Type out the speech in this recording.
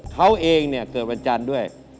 เขาเองเนี่ยเกิดวันจันทร์ด้วย